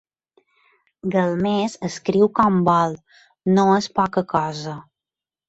Galmés escriu com vol. No és poca cosa.